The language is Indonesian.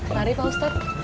mari pak ustadz